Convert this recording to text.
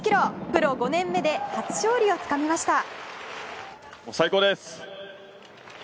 プロ５年目で初勝利をつかみました。